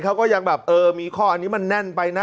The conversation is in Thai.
เขาก็ยังแบบเออมีข้ออันนี้มันแน่นไปนะ